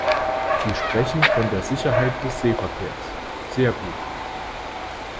Sie sprechen von der Sicherheit des Seeverkehrs, sehr gut!